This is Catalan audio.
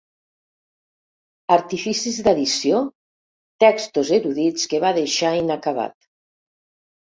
Artificis d'addició textos erudits que va deixar inacabat.